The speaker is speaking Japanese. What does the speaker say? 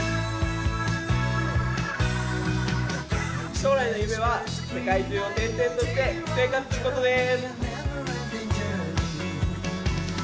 将来の夢は世界中を転々として生活することです。